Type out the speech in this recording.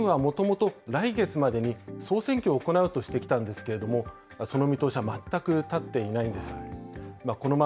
軍はもともと来月までに総選挙を行うとしてきたんですけれども、その見通しは全く立っていないんです。